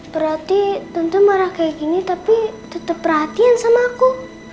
berarti tentu marah kayak gini tapi tetap perhatian sama aku